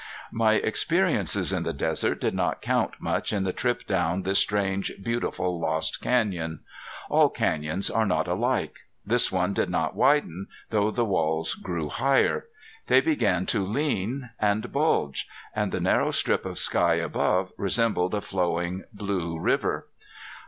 My experiences in the desert did not count much in the trip down this strange, beautiful lost canyon. All canyons are not alike. This one did not widen, though the walls grew higher. They began to lean and bulge, and the narrow strip of sky above resembled a flowing blue river.